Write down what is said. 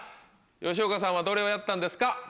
吉岡さんはどれをやったんですか？